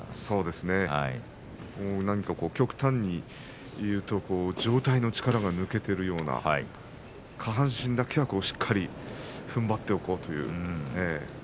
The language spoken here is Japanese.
そうですね極端に言うと上体の力が抜けているような下半身だけはしっかりふんばっておこうと。